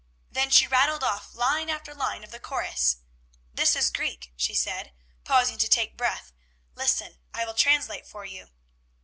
Then she rattled off line after line of the chorus. This is Greek, she said, pausing to take breath. "Listen! I will translate for you."